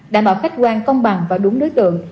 đảm bảo khách quan công bằng và đúng đối tượng